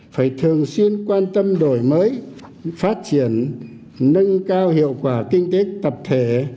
phải thường xuyên quan tâm đổi mới phát triển nâng cao hiệu quả kinh tế tập thể